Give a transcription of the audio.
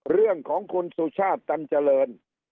เรื่องของคุณสุชาติตันเจริญ